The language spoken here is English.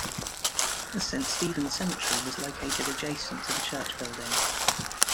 Saint Stephen Cemetery was located adjacent to the church building.